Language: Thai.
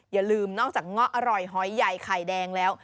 อย่าลืมนอกจากเงาะอร่อยหอยใหญ่ไข่แดงแล้ว